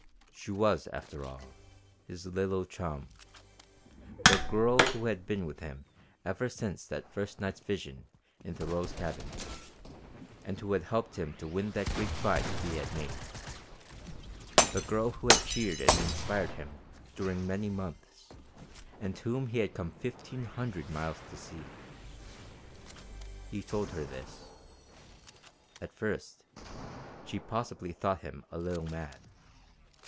She was, after all, his little chum the Girl who had been with him ever since that first night's vision in Thoreau's cabin, and who had helped him to win that great fight he had made; the girl who had cheered and inspired him during many months, and whom he had come fifteen hundred miles to see. He told her this. At first she possibly thought him a little mad.